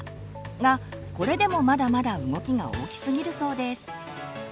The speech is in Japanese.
がこれでもまだまだ動きが大きすぎるそうです。